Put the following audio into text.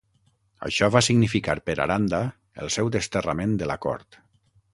Això va significar per Aranda el seu desterrament de la cort.